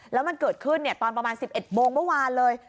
แล้วมันเกิดขึ้นตอนประมาณ๑๑โมงเมื่อวานเลย